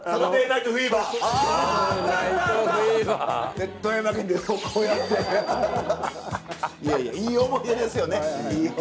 いやいやいい思い出ですよね。